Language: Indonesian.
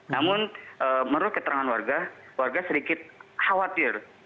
namun menurut keterangan warga warga sedikit khawatir